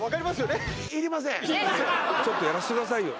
ねいりませんちょっとやらせてくださいよ